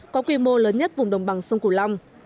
có quy mô lớn nhất vùng đồng bằng sông cửu long